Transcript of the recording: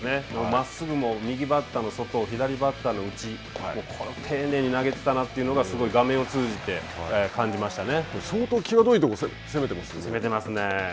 まっすぐも右バッターの外、左バッターの内、丁寧に投げていたなというのが、画面を通じて感じま相当際どいところを攻めていま攻めてますね。